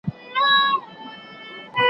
هر مشکل ته پیدا کېږي یوه لاره